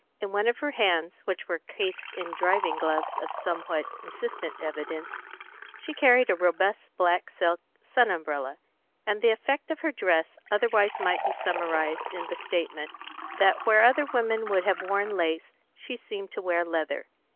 In one of her hands, which were cased in driving gloves of somewhat insistent evidence, she carried a robust black silk sun umbrella, and the effect of her dress otherwise might be summarised in the statement that where other women would have worn lace, she seemed to wear leather.